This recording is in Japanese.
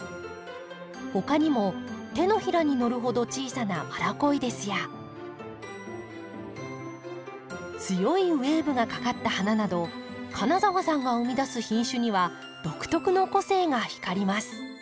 他にも手のひらにのるほど小さなマラコイデスや強いウエーブがかかった花など金澤さんが生み出す品種には独特の個性が光ります。